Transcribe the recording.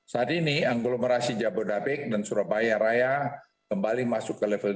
saat ini agglomerasi jabodetabek dan surabaya raya kembali masuk ke level dua